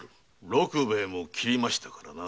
六兵衛も斬りましたからな。